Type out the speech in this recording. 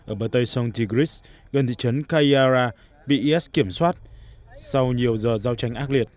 ở bờ tây sông tigris gần thị trấn kayara bị is kiểm soát sau nhiều giờ giao tranh ác liệt